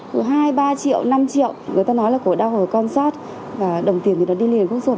từ hai ba triệu năm triệu người ta nói là cổ đau ở con sót và đồng tiền thì nó đi liền khúc ruột